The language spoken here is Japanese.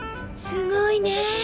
すごいね。